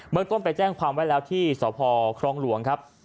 ต้นไปแจ้งความไว้แล้วที่สพครองหลวงครับ